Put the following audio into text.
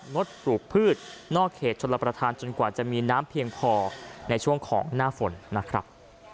ดปลูกพืชนอกเขตชนรับประทานจนกว่าจะมีน้ำเพียงพอในช่วงของหน้าฝนนะครับ